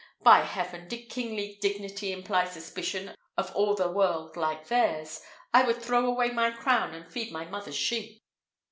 By heaven! did kingly dignity imply suspicion of all the world like theirs, I would throw away my crown and feed my mother's sheep."